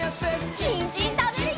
にんじんたべるよ！